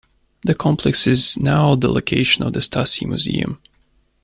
The complex is now the location of the Stasi Museum.